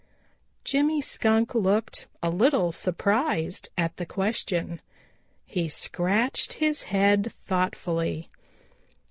Jimmy Skunk looked a little surprised at the question. He scratched his head thoughtfully.